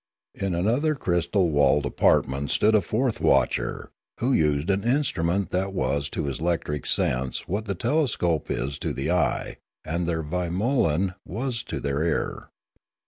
In another crystal walled apartment stood a fourth watcher, who used an instrument that was to his electric sense what the telescope is to the eye and their vamolan was to their ear.